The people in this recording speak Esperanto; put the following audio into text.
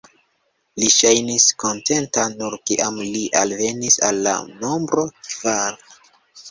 Li ŝajnis kontenta, nur kiam li alvenis al la nombro kvar.